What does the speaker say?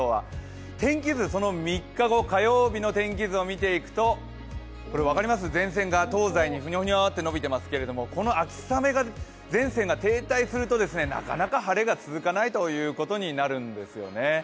天気図、その３日後、火曜日の天気図を見ていくとこれ分かります、前線が東西にふにょふにょと伸びていますがこの秋雨前線が停滞するとなかなか晴れが続かないということになるんですよね。